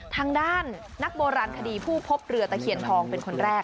ทางด้านนักโบราณคดีผู้พบเรือตะเคียนทองเป็นคนแรก